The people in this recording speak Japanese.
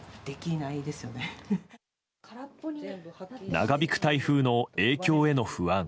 長引く台風の影響への不安。